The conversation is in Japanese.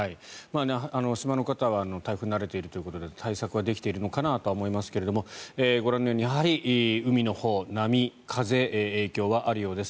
島の方は台風に慣れているということで対策はできているのかなと思いますがご覧のようにやはり海のほう波、風の影響はあるようです。